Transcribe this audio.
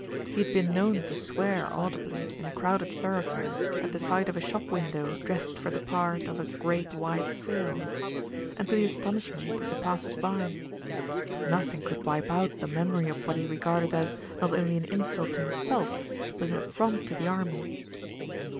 He had been known to swear audibly in a crowded thor oughfare at the sight of a shop window dressed for the part of a "Great White Sale," and to the astonish ment of the passers by. Nothing could wipe out the memory of what he regarded as, not only an insult to himself, but an affront to the army.